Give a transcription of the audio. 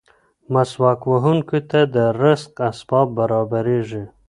مسواک وهونکي ته د رزق اسباب برابرېږي.